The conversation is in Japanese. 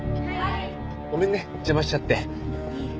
ごめんね邪魔しちゃって。